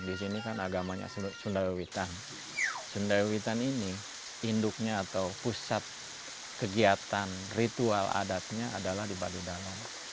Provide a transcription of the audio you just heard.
di sini kan agamanya sundaewitan sundaewitan ini induknya atau pusat kegiatan ritual adatnya adalah di baduidalam